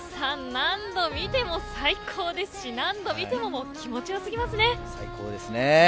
何度見ても最高ですし何度見ても気持ちよすぎますね。